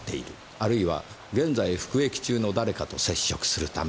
あるいは現在服役中の誰かと接触するため。